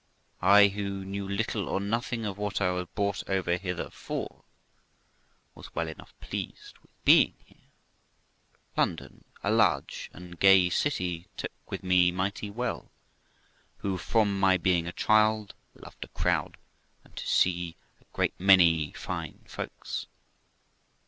I, who knew little or nothing of what I was brought over hither for, was well enough pleased with being here. London, a large and gay city, took with me mighty well, who, from my being a child, loved a crowd, and to see a great many fine folks.